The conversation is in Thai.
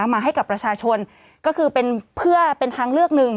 มาให้กับประชาชนก็คือเป็นเพื่อเป็นทางเลือกหนึ่ง